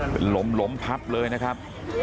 เป็นลมล้มพับเลยนะครับ